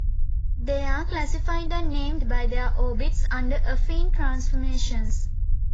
They are classified and named by their orbits under affine transformations.